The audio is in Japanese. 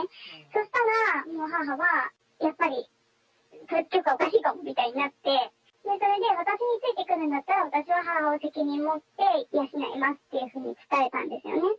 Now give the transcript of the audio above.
そしたら、母はやっぱり統一教会おかしいかもみたいになって、それで私についてくるんだったら、私は母を責任持って養いますっていうふうに伝えたんですよね。